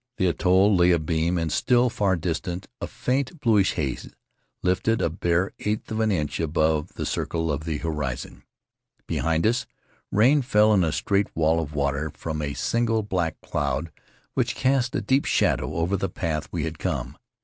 The atoll lay abeam and still far distant; a faint bluish haze lifted a bare eighth of an inch above Rutiaro the circle of the horizon. Behind us, rain fell in a straight wall of water from a single black cloud whick cast a deep shadow over the path we had come.